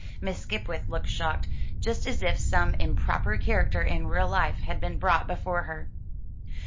Miss Skipwith looked shocked, just as if some improper character in real life had been brought before her.